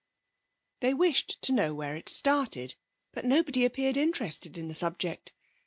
They wished to know where it started, but nobody appeared interested in the subject.